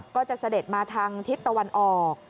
เสด็จมาทางทิศตะวันออก